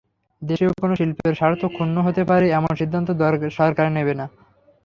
দেশীয় কোনো শিল্পের স্বার্থ ক্ষুণ্ন হতে পারে এমন সিদ্ধান্ত সরকার নেবে না।